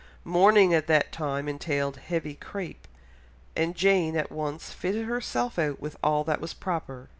Mourning at that time entailed heavy crape, and Jane at once fitted herself out with all that was proper.